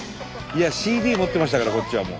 ＣＤ持ってましたからこっちはもう。